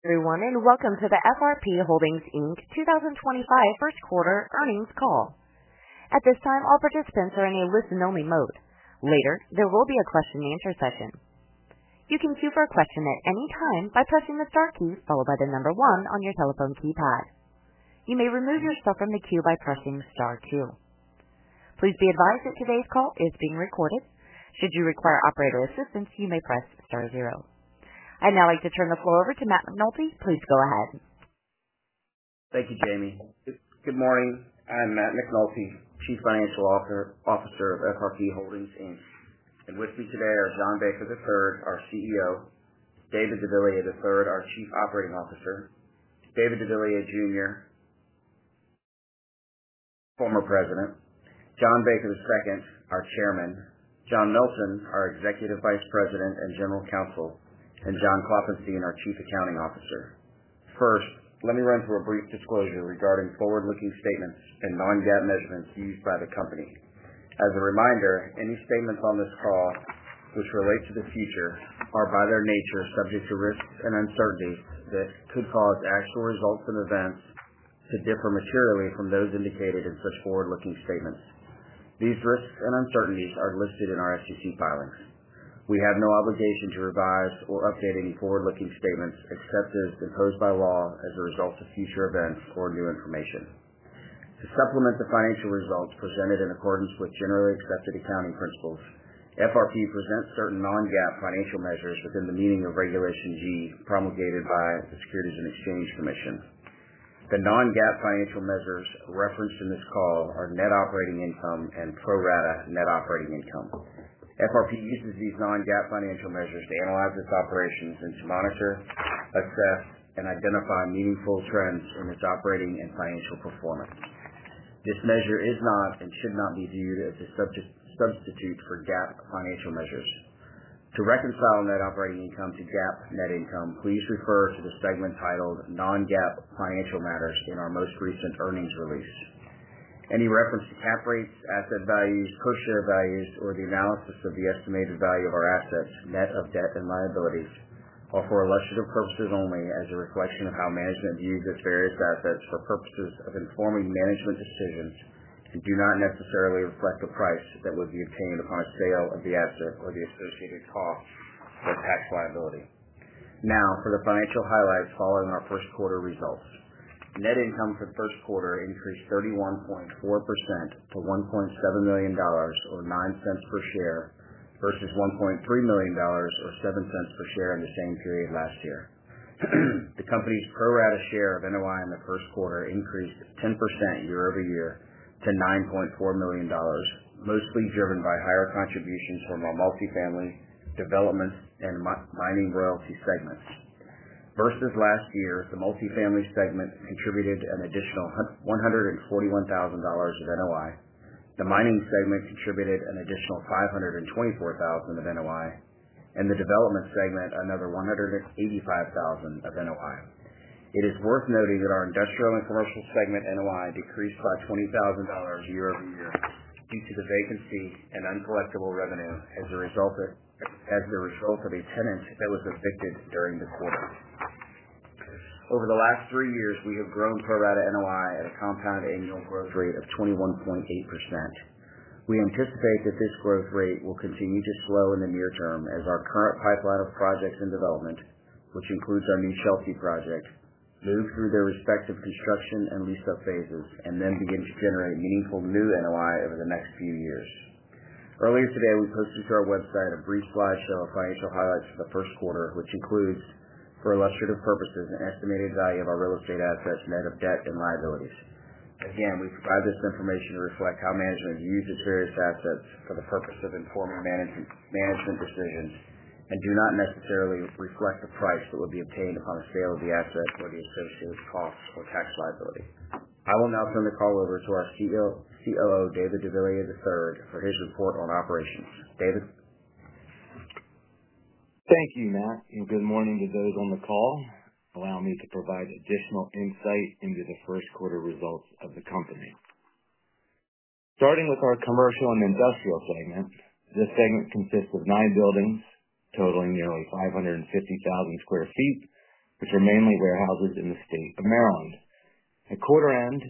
Everyone, and welcome to the FRP Holdings Inc. 2025 First Quarter Earnings Call. At this time, all participants are in a listen-only mode. Later, there will be a question-and-answer session. You can queue for a question at any time by pressing the star key followed by the number one on your telephone keypad. You may remove yourself from the queue by pressing star two. Please be advised that today's call is being recorded. Should you require operator assistance, you may press star zero. I'd now like to turn the floor over to Mattew McNulty. Please go ahead. Thank you, Jamie. Good morning. I'm Mattew McNulty, Chief Financial Officer of FRP Holdings. And with me today are John Baker III, our CEO; David deVilliers III, our Chief Operating Officer; David deVilliers Jr., former President; John Baker II, our Chairman; John Milton, our Executive Vice President and General Counsel; and John Klopfenstein, our Chief Accounting Officer. First, let me run through a brief disclosure regarding forward-looking statements and non-GAAP measurements used by the company. As a reminder, any statements on this call which relate to the future are, by their nature, subject to risks and uncertainties that could cause actual results and events to differ materially from those indicated in such forward-looking statements. These risks and uncertainties are listed in our SEC filings. We have no obligation to revise or update any forward-looking statements except as imposed by law as a result of future events or new information. To supplement the financial results presented in accordance with generally accepted accounting principles, FRP presents certain non-GAAP financial measures within the meaning of Regulation G promulgated by the Securities and Exchange Commission. The non-GAAP financial measures referenced in this call are net operating income and pro rata net operating income. FRP uses these non-GAAP financial measures to analyze its operations and to monitor, assess, and identify meaningful trends in its operating and financial performance. This measure is not and should not be viewed as a substitute for GAAP financial measures. To reconcile net operating income to GAAP net income, please refer to the segment titled Non-GAAP Financial Matters in our most recent earnings release. Any reference to Cap Rates, asset values, per-share values, or the analysis of the estimated value of our assets net of debt and liabilities are for illustrative purposes only, as a reflection of how management views its various assets for purposes of informing management decisions and do not necessarily reflect the price that would be obtained upon sale of the asset or the associated cost or tax liability. Now, for the financial highlights following our first quarter results. Net Income for the first quarter increased 31.4% to $1.7 million or $0.09 per share versus $1.3 million or $0.07 per share in the same period last year. The company's pro-rata share of NOI in the first quarter increased 10% year over year to $9.4 million, mostly driven by higher contributions from our multifamily development and mining royalty segments. Versus last year, the multifamily segment contributed an additional $141,000 of NOI, the mining segment contributed an additional $524,000 of NOI, and the development segment another $185,000 of NOI. It is worth noting that our industrial and commercial segment NOI decreased by $20,000 year over year due to the vacancy and uncollectible revenue as a result of a tenant that was evicted during the quarter. Over the last three years, we have grown pro rata NOI at a compound annual growth rate of 21.8%. We anticipate that this growth rate will continue to slow in the near term as our current pipeline of projects in development, which includes our new Shellsea project, move through their respective construction and lease-up phases and then begin to generate meaningful new NOI over the next few years. Earlier today, we posted to our website a brief slideshow of financial highlights for the first quarter, which includes, for illustrative purposes, an estimated value of our real estate assets net of debt and liabilities. Again, we provide this information to reflect how management views its various assets for the purpose of informing management decisions and do not necessarily reflect the price that would be obtained upon sale of the asset or the associated costs or tax liability. I will now turn the call over to our COO, David deVilliers III, for his report on operations. David. Thank you, Mattew. Good morning to those on the call. Allow me to provide additional insight into the first quarter results of the company. Starting with our commercial and industrial segment, this segment consists of nine buildings totaling nearly 550,000 sq.ft., which are mainly warehouses in the state of Maryland. At quarter end,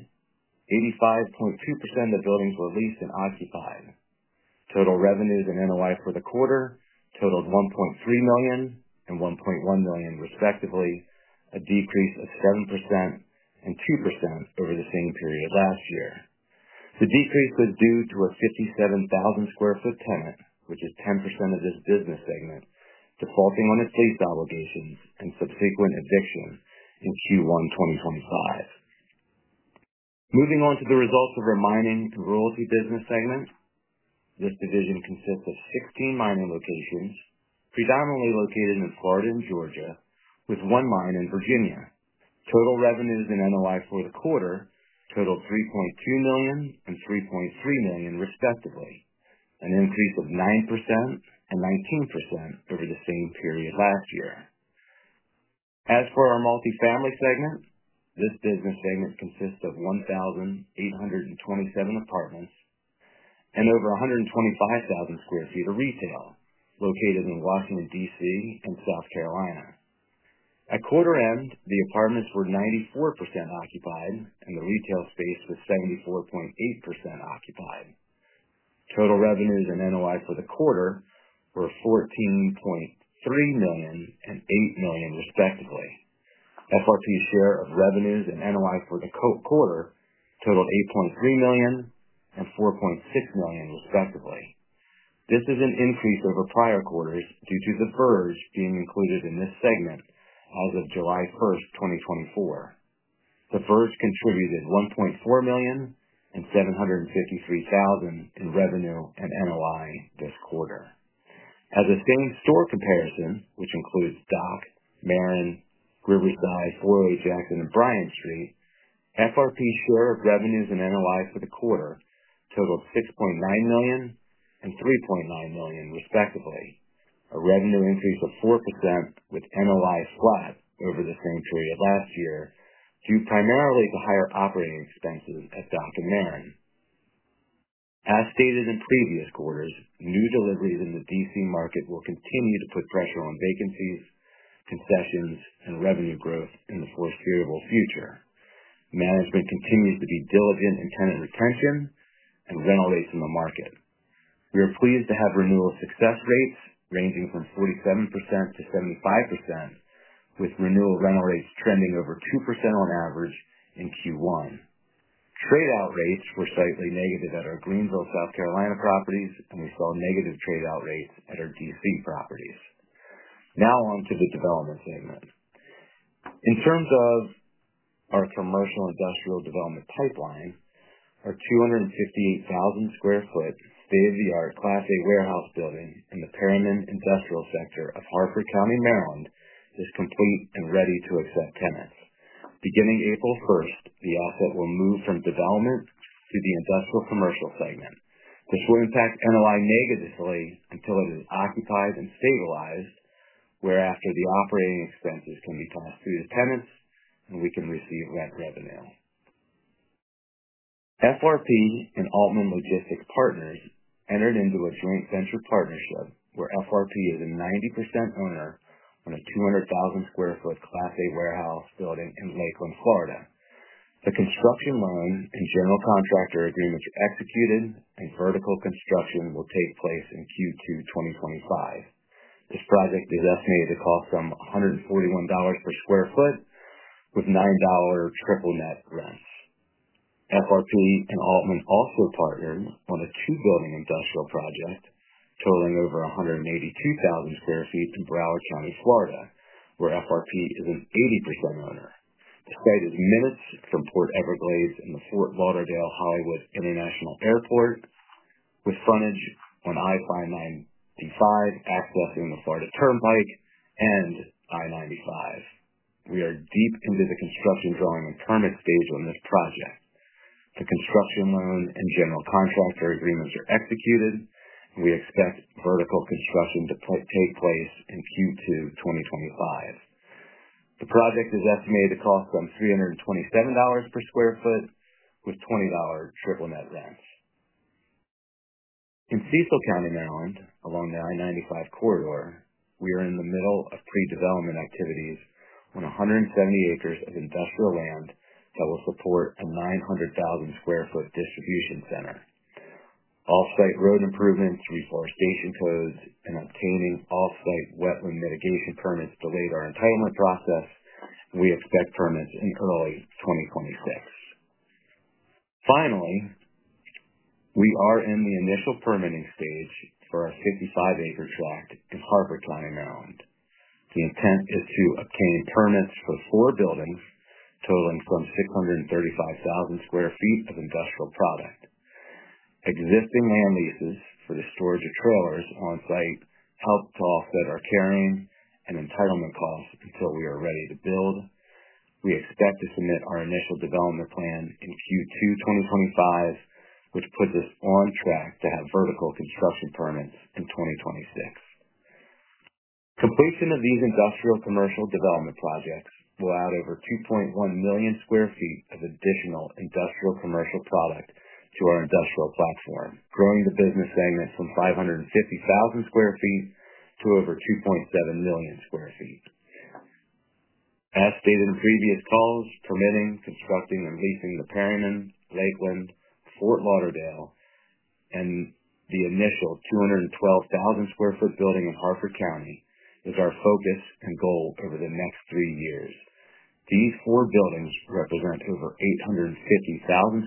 85.2% of the buildings were leased and occupied. Total revenues and NOI for the quarter totaled $1.3 million and $1.1 million, respectively, a decrease of 7% and 2% over the same period last year. The decrease was due to a 57,000 sq ft tenant, which is 10% of this business segment, defaulting on its lease obligations and subsequent eviction in Q1 2025. Moving on to the results of our mining and royalty business segment, this division consists of 16 mining locations, predominantly located in Florida and Georgia, with one mine in Virginia. Total revenues and NOI for the quarter totaled $3.2 million and $3.3 million, respectively, an increase of 9% and 19% over the same period last year. As for our multifamily segment, this business segment consists of 1,827 apartments and over 125,000 sq ft of retail located in Washington, D.C., and South Carolina. At quarter end, the apartments were 94% occupied and the retail space was 74.8% occupied. Total revenues and NOI for the quarter were $14.3 million and $8 million, respectively. FRP's share of revenues and NOI for the quarter totaled $8.3 million and $4.6 million, respectively. This is an increase over prior quarters due to the Burge being included in this segment as of July 1, 2024. The Burge contributed $1.4 million and $753,000 in revenue and NOI this quarter. As a same-store comparison, which includes Dock, Marin, Riverside, 408 Jackson, and Bryan Street, FRP's share of revenues in NOI for the quarter totaled $6.9 million and $3.9 million, respectively, a revenue increase of 4% with NOI flat over the same period last year due primarily to higher operating expenses at Dock and Marin. As stated in previous quarters, new deliveries in the D.C. market will continue to put pressure on vacancies, concessions, and revenue growth in the foreseeable future. Management continues to be diligent in tenant retention and rental rates in the market. We are pleased to have renewal success rates ranging from 47%-75%, with renewal rental rates trending over 2% on average in Q1. Trade-out rates were slightly negative at our Greenville, South Carolina, properties, and we saw negative trade-out rates at our D.C. properties. Now on to the development segment. In terms of our commercial industrial development pipeline, our 258,000 sq ft state-of-the-art Class A warehouse building in the Perryman Industrial Sector of Hartford County, Maryland, is complete and ready to accept tenants. Beginning April 1, the asset will move from development to the industrial commercial segment. This will impact NOI negatively until it is occupied and stabilized, whereafter the operating expenses can be passed through to tenants and we can receive rent revenue. FRP and Altman Logistics Partners entered into a joint venture partnership where FRP is a 90% owner on a 200,000 sq ft Class A warehouse building in Lakeland, Florida. The construction loan and general contractor agreements are executed, and vertical construction will take place in Q2 2025. This project is estimated to cost them $141 per sq ft with $9 triple-net rents. FRP and Altman also partnered on a two-building industrial project totaling over 182,000 sq.ft. in Broward County, Florida, where FRP is an 80% owner. The site is minutes from Port Everglades and the Fort Lauderdale-Hollywood International Airport, with frontage on I-595 accessing the Florida Turnpike and I-95. We are deep into the construction drawing and permit stage on this project. The construction loan and general contractor agreements are executed, and we expect vertical construction to take place in Q2 2025. The project is estimated to cost them $327 per sq ft with $20 triple-net rents. In Cecil County, Maryland, along the I-95 corridor, we are in the middle of pre-development activities on 170 acres of industrial land that will support a 900,000 sq.ft. distribution center. Off-site road improvements, reforestation codes, and obtaining off-site wetland mitigation permits delayed our entitlement process, and we expect permits in early 2026. Finally, we are in the initial permitting stage for our 55-acre tract in Hartford County, Maryland. The intent is to obtain permits for four buildings totaling some 635,000 sq ft of industrial product. Existing land leases for the storage of trailers on site help to offset our carrying and entitlement costs until we are ready to build. We expect to submit our initial development plan in Q2 2025, which puts us on track to have vertical construction permits in 2026. Completion of these industrial commercial development projects will add over 2.1 million sq ft of additional industrial commercial product to our industrial platform, growing the business segment from 550,000 sq.ft. to over 2.7 million sq.ft. As stated in previous calls, permitting, constructing, and leasing the Perryman, Lakeland, Fort Lauderdale, and the initial 212,000 square.ft. building in Hartford County is our focus and goal over the next three years. These four buildings represent over 850,000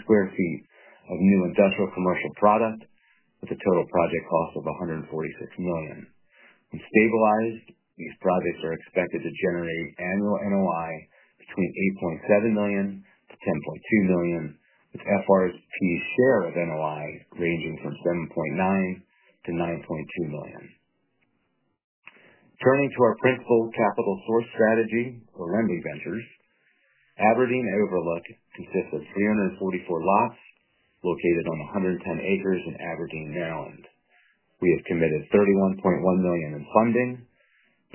square feet of new industrial commercial product with a total project cost of $146 million. When stabilized, these projects are expected to generate annual NOI between $8.7 million-$10.2 million, with FRP's share of NOI ranging from $7.9 million-$9.2 million. Turning to our principal capital source strategy for lending ventures, Aberdeen Overlook consists of 344 lots located on 110 acres in Aberdeen, Maryland. We have committed $31.1 million in funding.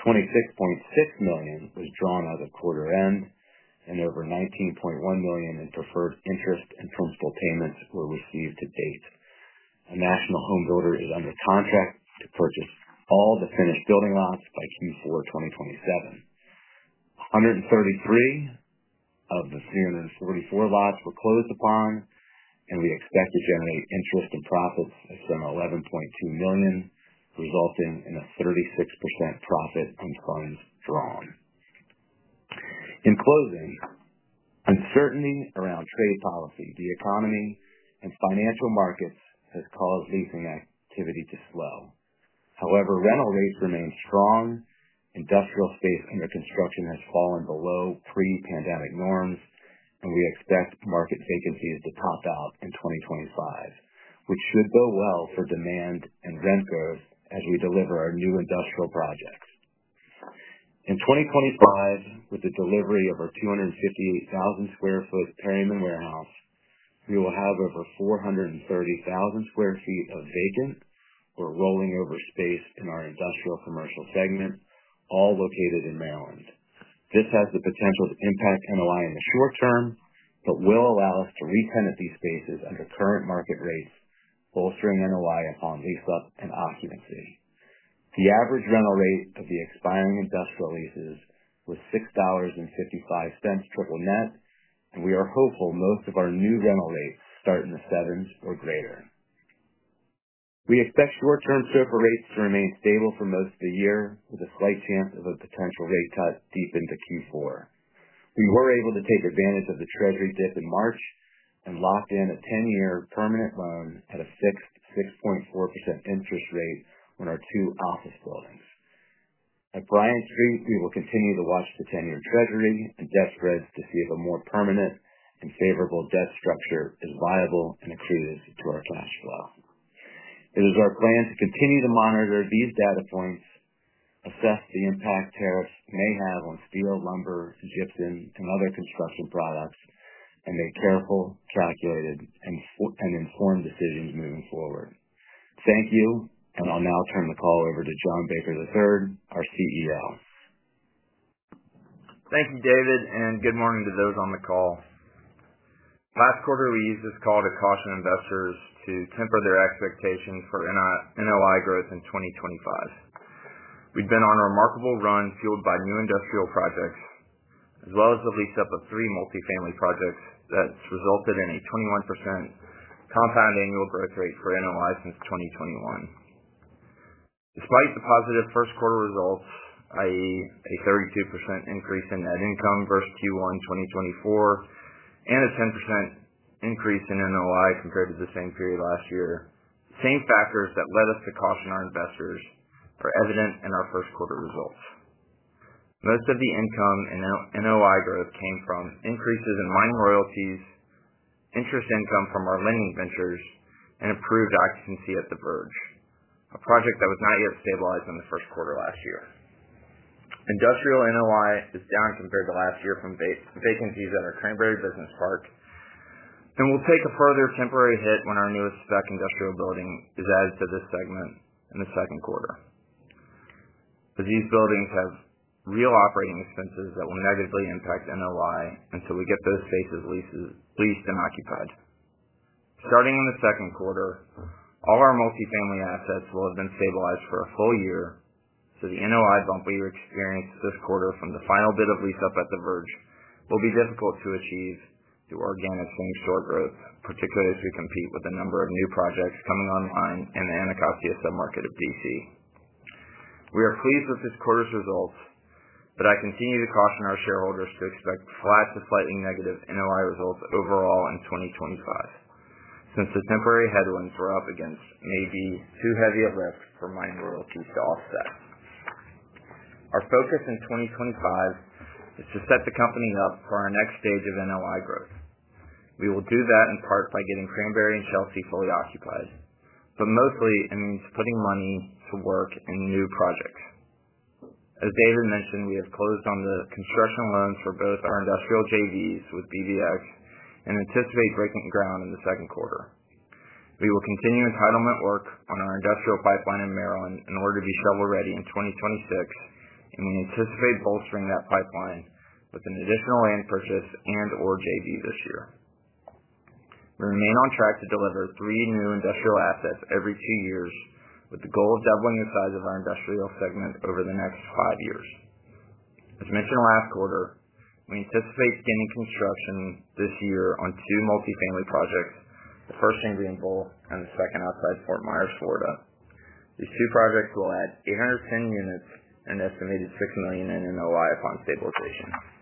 $26.6 million was drawn at the quarter end, and over $19.1 million in preferred interest and principal payments were received to date. A national home builder is under contract to purchase all the finished building lots by Q4 2027. $133 million of the 344 lots were closed upon, and we expect to generate interest and profits of some $11.2 million, resulting in a 36% profit on funds drawn. In closing, uncertainty around trade policy, the economy, and financial markets has caused leasing activity to slow. However, rental rates remain strong, industrial space under construction has fallen below pre-pandemic norms, and we expect market vacancies to top out in 2025, which should bode well for demand and rent growth as we deliver our new industrial projects. In 2025, with the delivery of our 258,000 sq.ft. Perryman Warehouse, we will have over 430,000 sq.ft. of vacant or rolling-over space in our industrial commercial segment, all located in Maryland. This has the potential to impact NOI in the short term but will allow us to retenant these spaces under current market rates, bolstering NOI upon lease-up and occupancy. The average rental rate of the expiring industrial leases was $6.55 triple-net, and we are hopeful most of our new rental rates start in the 7s or greater. We expect short-term surfer rates to remain stable for most of the year, with a slight chance of a potential rate cut deep into Q4. We were able to take advantage of the Treasury dip in March and locked in a 10-year permanent loan at a fixed 6.4% interest rate on our two office buildings. At Bryan Street, we will continue to watch the 10-year Treasury and debt spreads to see if a more permanent and favorable debt structure is viable and accretive to our cash flow. It is our plan to continue to monitor these data points, assess the impact tariffs may have on steel, lumber, gypsum, and other construction products, and make careful, calculated, and informed decisions moving forward. Thank you, and I'll now turn the call over to John Baker III, our CEO. Thank you, David, and good morning to those on the call. Last quarter, we used this call to caution investors to temper their expectations for NOI growth in 2025. We've been on a remarkable run fueled by new industrial projects, as well as the lease-up of three multifamily projects that's resulted in a 21% compound annual growth rate for NOI since 2021. Despite the positive first quarter results, i.e., a 32% increase in net income versus Q1 2024 and a 10% increase in NOI compared to the same period last year, the same factors that led us to caution our investors are evident in our first quarter results. Most of the income and NOI growth came from increases in mining royalties, interest income from our lending ventures, and improved occupancy at the Burge, a project that was not yet stabilized in the Q1 last year. Industrial NOI is down compared to last year from vacancies at our Cranberry Business Park, and will take a further temporary hit when our newest spec industrial building is added to this segment in the second quarter. These buildings have real operating expenses that will negatively impact NOI until we get those spaces leased and occupied. Starting in the second quarter, all our multifamily assets will have been stabilized for a full year, so the NOI bump we experienced this quarter from the final bit of lease-up at the Burge will be difficult to achieve due to organic same-store growth, particularly as we compete with the number of new projects coming online in the Anacostia Submarket of Washington, D.C. We are pleased with this quarter's results, but I continue to caution our shareholders to expect flat to slightly negative NOI results overall in 2025, since the temporary headwinds we're up against may be too heavy a lift for mining royalties to offset. Our focus in 2025 is to set the company up for our next stage of NOI growth. We will do that in part by getting Cranberry and Chelsea fully occupied, but mostly it means putting money to work in new projects. As David mentioned, we have closed on the construction loans for both our industrial JV's with BVX and anticipate breaking ground in the second quarter. We will continue entitlement work on our industrial pipeline in Maryland in order to be shovel ready in 2026, and we anticipate bolstering that pipeline with an additional land purchase and/or JV this year. We remain on track to deliver three new industrial assets every two years with the goal of doubling the size of our industrial segment over the next five years. As mentioned last quarter, we anticipate beginning construction this year on two multifamily projects, the first in Greenville and the second outside Fort Myers, Florida. These two projects will add 810 units and an estimated $6 million in NOI upon stabilization.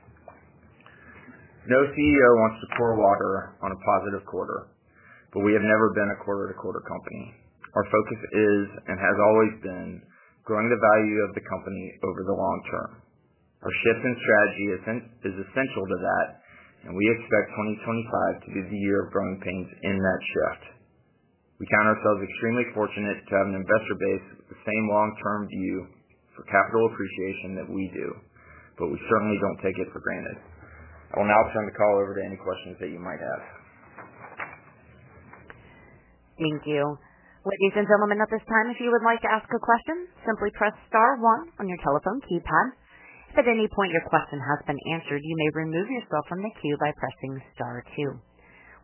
No CEO wants to pour water on a positive quarter, but we have never been a quarter-to-quarter company. Our focus is and has always been growing the value of the company over the long term. Our shift in strategy is essential to that, and we expect 2025 to be the year of growing pains in that shift. We count ourselves extremely fortunate to have an investor base with the same long-term view for capital appreciation that we do, but we certainly do not take it for granted. I will now turn the call over to any questions that you might have. Thank you. Ladies and gentlemen, at this time, if you would like to ask a question, simply press Star one on your telephone keypad. If at any point your question has been answered, you may remove yourself from the queue by pressing Star two.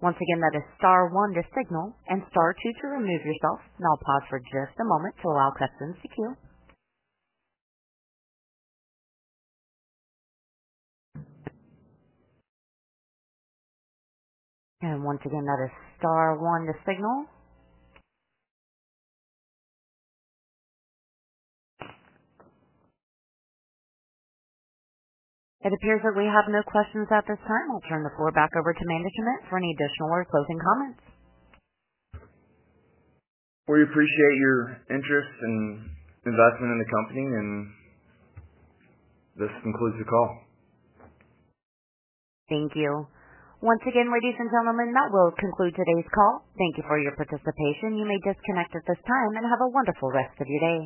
Once again, that is Star one to signal and Star two to remove yourself. Now I'll pause for just a moment to allow questions to queue. Once again, that is Star one to signal. It appears that we have no questions at this time. I'll turn the floor back over to management for any additional or closing comments. We appreciate your interest and investment in the company, and this concludes the call. Thank you. Once again, ladies and gentlemen, that will conclude today's call. Thank you for your participation. You may disconnect at this time and have a wonderful rest of your day.